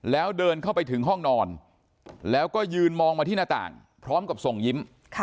แล้วเดินเข้าไปถึงห้องนอนแล้วก็ยืนมองมาที่หน้าต่างพร้อมกับส่งยิ้ม